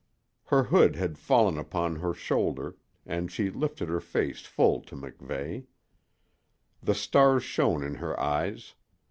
Her hood had fallen upon her shoulder, and she lifted her face full to MacVeigh. The stars shone in her eyes.